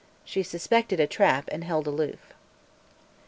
She suspected a trap and held aloof.